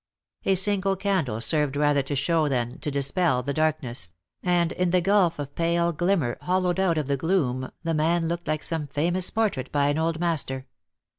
A single candle served rather to show than to dispel the darkness; and in the gulf of pale glimmer hollowed out of the gloom the man looked like some famous portrait by an old master.